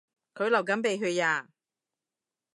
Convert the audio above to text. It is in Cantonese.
佢流緊鼻血呀